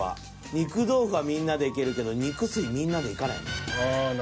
肉豆腐はみんなでいけるけど肉吸いみんなでいかないもんな。